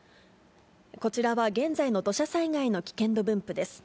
こちらは現在の土砂災害の危険度分布です。